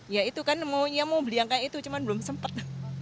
ya itu kan maunya mau beli yang kayak itu cuma belum sempat